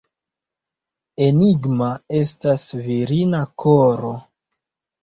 Enigma estas virina koro!